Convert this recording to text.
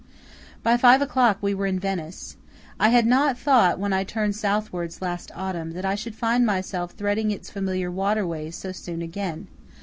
By five o'clock we were in Venice. I had not thought, when I turned southwards last autumn, that I should find myself threading its familiar water ways so soon again.